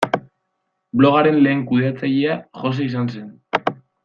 Blogaren lehen kudeatzailea Jose izan zen.